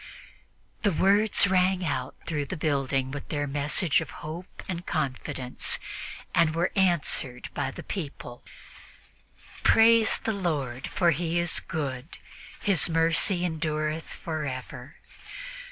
The words rang out through the building with their message of hope and confidence and were answered by the people: "Praise the Lord, for He is good: for His mercy endureth forever.